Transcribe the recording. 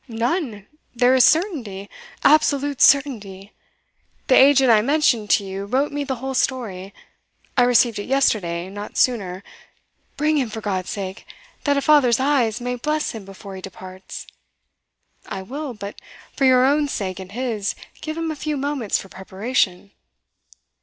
none! There is certainty! absolute certainty! The agent I mentioned to you wrote me the whole story I received it yesterday, not sooner. Bring him, for God's sake, that a father's eyes may bless him before he departs." "I will; but for your own sake and his, give him a few moments for preparation."